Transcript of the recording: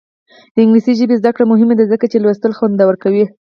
د انګلیسي ژبې زده کړه مهمه ده ځکه چې لوستل خوندور کوي.